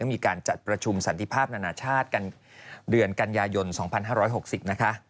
มีการจัดประชุมสันติภาพนานาชาติกันเดือนกันยายน๒๕๖๐นะคะ